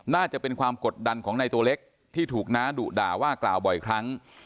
น่าจะเป็นความกดดันของในตัวเล็กที่ถูกน้าดุด่าว่ากล่าวบ่อยครั้ง